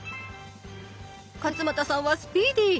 勝俣さんはスピーディー。